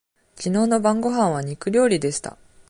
きのうの晩ごはんは肉料理でした。